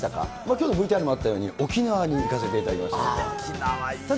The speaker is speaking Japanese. きょうのＶＴＲにもあったように、沖縄に行かせていただきました。